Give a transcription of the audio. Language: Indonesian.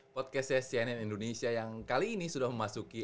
podcastnya cnn indonesia yang kali ini sudah memasuki